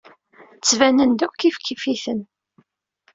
Ttbanen-d akk kifkif-iten.